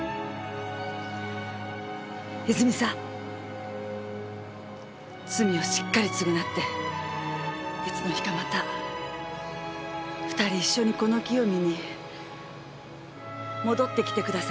泉さん罪をしっかり償っていつの日かまた２人一緒にこの木を見に戻ってきてください。